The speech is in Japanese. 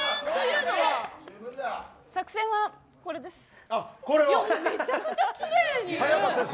作戦は、これです。